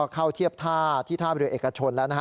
เข้าเทียบท่าที่ท่าเรือเอกชนแล้ว